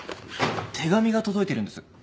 手紙が届いているんです。